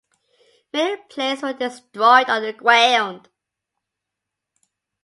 Many planes were destroyed on the ground.